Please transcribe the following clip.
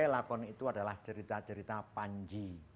lakon itu adalah cerita cerita panji